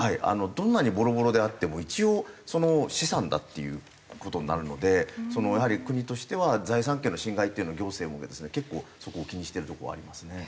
どんなにボロボロであっても一応資産だっていう事になるのでやはり国としては財産権の侵害っていうのを行政も結構そこを気にしてるとこはありますね。